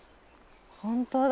本当だ。